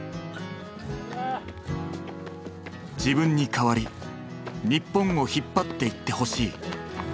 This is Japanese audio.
自分に代わり日本を引っ張っていってほしい。